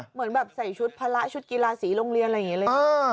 เหมือนแบบใส่ชุดภาระชุดกีฬาสีโรงเรียนอะไรอย่างนี้เลยนะ